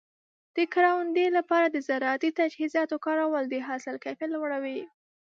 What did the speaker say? د کروندې لپاره د زراعتي تجهیزاتو کارول د حاصل کیفیت لوړوي.